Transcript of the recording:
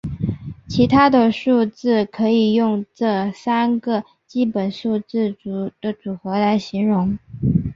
其他的数字可以用这三个基本数字的组合来形容。